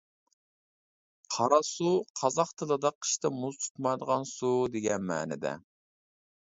قاراسۇ، قازاق تىلىدا، قىشتا مۇز تۇتمايدىغان سۇ دېگەن مەنىدە.